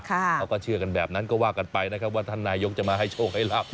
เขาก็เชื่อกันแบบนั้นก็ว่ากันไปนะครับว่าท่านนายกจะมาให้โชคให้รับ